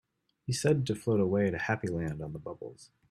He said to float away to Happy Land on the bubbles.